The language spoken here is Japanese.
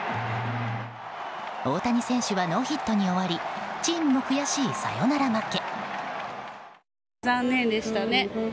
大谷選手はノーヒットに終わりチームも悔しいサヨナラ負け。